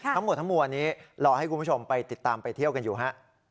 ทั้งหมดทั้งมวลนี้รอให้คุณผู้ชมไปติดตามไปเที่ยวกันอยู่ฮะ